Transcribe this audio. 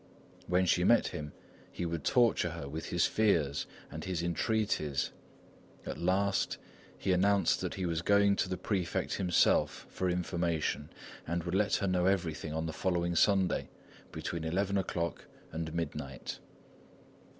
When she met him, he would torture her with his fears and his entreaties. At last, he announced that he was going to the prefect himself for information, and would let her know everything on the following Sunday, between eleven o'clock and midnight.